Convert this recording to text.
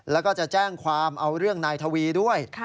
แล้วก็จะแจ้งความเอาเรื่องนายทวีด้วย